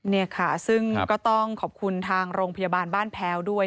นี่ค่ะซึ่งก็ต้องขอบคุณทางโรงพยาบาลบ้านแพ้วด้วย